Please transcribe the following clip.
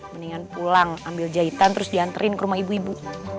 mendingan pulang ambil jahitan terus diantarin ke rumah ibu ibu